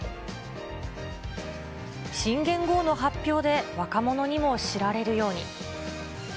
新元号の発表で若者にも知られるように。